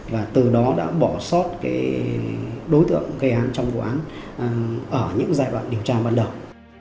và từ đó đã bỏ sót đối tượng gây án trong vụ án ở những giai đoạn điều tra ban đầu